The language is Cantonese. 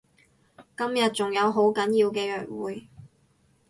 今日仲有好緊要嘅約會